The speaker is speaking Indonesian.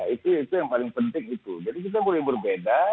itu yang paling penting itu jadi kita boleh berbeda